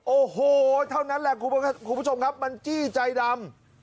โอ้โหเท่านั้นแหละคุณผู้ชมครับมันจี้ใจดำ